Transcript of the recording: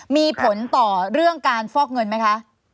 มีผลต่อเรื่องการฟอกเงินไหมคะ